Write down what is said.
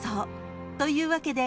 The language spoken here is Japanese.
というわけで］